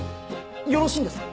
よろしいんですか？